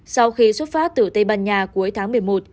sau khi xuất phát từ tây ban nha cuối tháng một mươi một